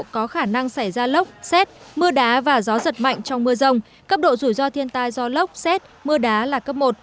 có khả năng xảy ra lốc xét mưa đá và gió giật mạnh trong mưa rông cấp độ rủi ro thiên tai do lốc xét mưa đá là cấp một